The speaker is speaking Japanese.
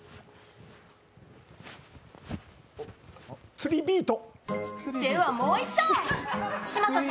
釣りビート。